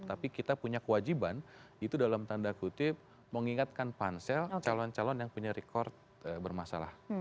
tapi kita punya kewajiban itu dalam tanda kutip mengingatkan pansel calon calon yang punya record bermasalah